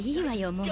もう。